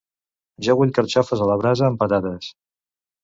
Jo vull carxofes a la brasa amb patates.